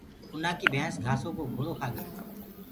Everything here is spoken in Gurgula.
اُنآ ڪي ڀينس گھآسو ڪو گھوڙو کآگي۔